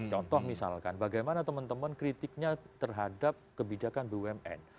contoh misalkan bagaimana teman teman kritiknya terhadap kebijakan bumn